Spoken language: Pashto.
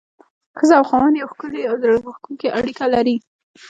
ښځه او خاوند يوه ښکلي او زړه راښکونکي اړيکه لري.